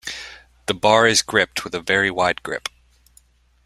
The bar is gripped with a very wide grip.